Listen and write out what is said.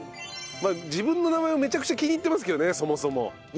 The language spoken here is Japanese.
自分の名前はめちゃくちゃ気に入ってますけどねそもそも。